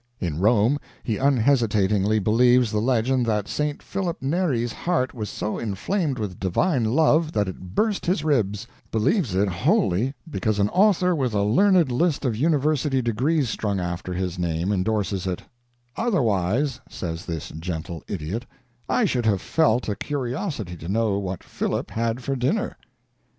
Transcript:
In Rome he unhesitatingly believes the legend that St. Philip Neri's heart was so inflamed with divine love that it burst his ribs believes it wholly because an author with a learned list of university degrees strung after his name endorses it "otherwise," says this gentle idiot, "I should have felt a curiosity to know what Philip had for dinner."